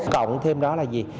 cộng thêm đó là gì